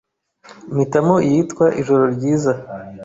mpitamo iyitwa “Ijoro Ryiza”